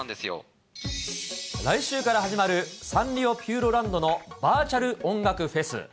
来週から始まる、サンリオピューロランドのバーチャル音楽フェス。